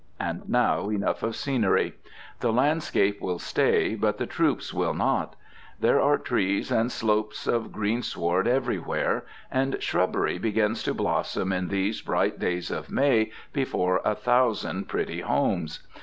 And now enough of scenery. The landscape will stay, but the troops will not. There are trees and slopes of green sward elsewhere, and shrubbery begins to blossom in these bright days of May before a thousand pretty homes.